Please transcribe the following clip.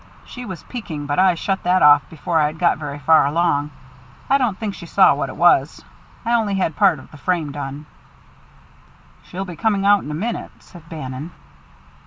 "She was peeking, but I shut that off before I'd got very far along. I don't think she saw what it was. I only had part of the frame done." "She'll be coming out in a minute," said Bannon.